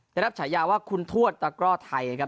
ได้รับฉายาว่าคุณทวดตะกร่อไทยครับ